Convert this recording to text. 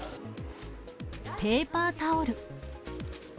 ペーパータオル。